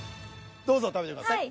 どうぞ食べてください。